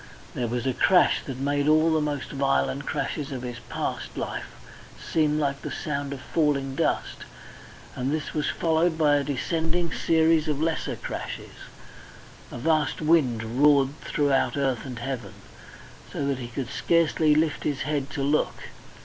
There was a crash that made all the most violent crashes of his past life seem like the sound of falling dust, and this was followed by a descending series of lesser crashes. A vast wind roared throughout earth and heaven, so that he could scarcely lift his head to look.